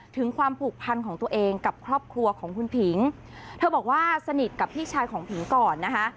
ถึงความผูกพันของตัวเองกับครอบครัวของคุณผิงเธอบอกว่าสนิทกับพี่ชายของผิงก่อนนะคะ